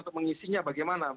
untuk mengisinya bagaimana